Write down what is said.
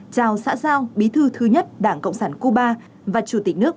chào xã giao bí thư thứ nhất đảng cộng sản cuba và chủ tịch nước